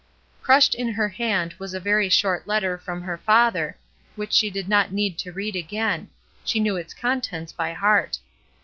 Crushed in her hand was a very short letter from her father, which she did not need to read again — she knew its contents by heart.